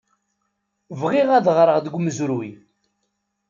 Bɣiɣ ad ɣreɣ deg umezruy.